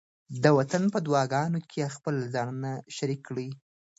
د وطن په دعاګانو کې خپل ځانونه شریک کړئ.